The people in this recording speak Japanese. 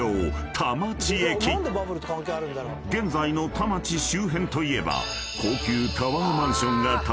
［現在の田町周辺といえば］